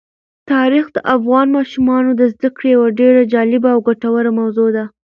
تاریخ د افغان ماشومانو د زده کړې یوه ډېره جالبه او ګټوره موضوع ده.